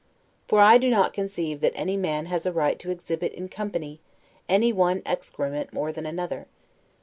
For I do not conceive that any man has a right to exhibit, in company, any one excrement more than another.